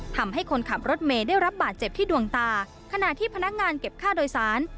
ทำให้คนขับรถเมย์ได้รับบาดเจ็บที่ดวงตาขณะที่พนักงานเก็บค่าโดยสาร